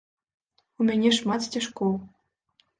У мяне шмат сцяжкоў.